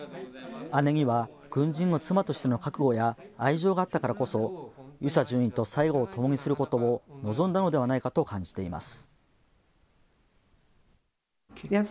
姉には軍人の妻としての覚悟や愛情があったからこそ遊佐准尉と最期をともにすることを望んだのではないかと感じています。